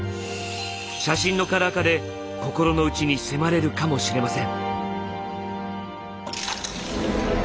写真のカラー化で心の内に迫れるかもしれません。